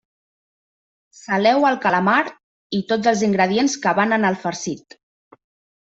Saleu el calamar i tots els ingredients que van en el farcit.